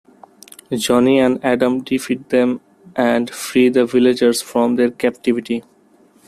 Johnny and Adam defeat them and free the villagers from their captivity.